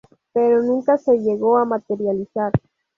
Pero nunca se llegó a materializar.